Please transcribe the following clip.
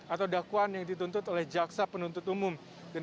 atau dakwaan yang dituntut oleh jaksa penuntut umum